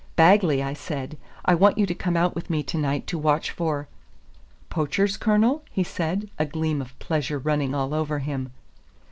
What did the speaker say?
"Bagley," I said, "I want you to come out with me to night to watch for " "Poachers, Colonel?" he said, a gleam of pleasure running all over him.